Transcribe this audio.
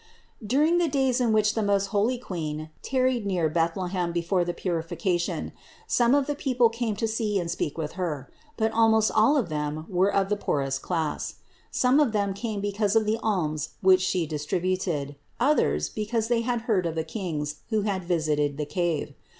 During the days in which the most holy Queen tarried near Bethlehem before the purification, some of the people came to see and speak with Her; but almost all of them were of the poorest class. Some of them came because of the alms which She distributed, others, because they had heard of the Kings, who had visited the cave.